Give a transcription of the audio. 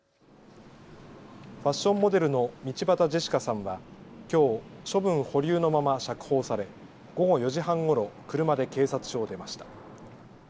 ファッションモデルの道端ジェシカさんはきょう処分保留のまま釈放され午後４時半ごろ車で警察署を出ました。